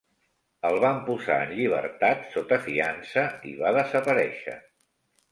El van posar en llibertat sota fiança i va desaparèixer.